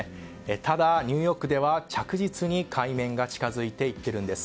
ただ、ニューヨークでは着実に海面が近づいているんです。